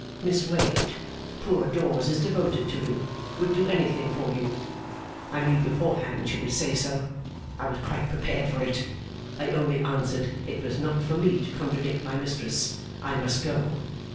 'Miss Wade! Poor Dawes is devoted to you; would do anything for you!' I knew beforehand she would say so; I was quite prepared for it; I only answered, it was not for me to contradict my Mistress; I must go.